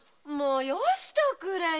よしとくれよ。